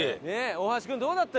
大橋君どうだった？